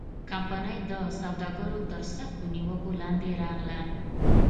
کمپنۍ د سوداګرو تر سختو نیوکو لاندې راغله.